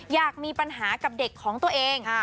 อยากมีปัญหากับเด็กของตัวเอง